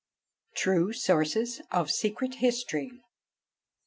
TRUE SOURCES OF SECRET HISTORY.